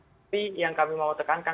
tapi yang kami mau tekankan